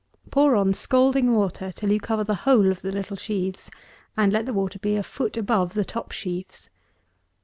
Pour on scalding water till you cover the whole of the little sheaves, and let the water be a foot above the top sheaves.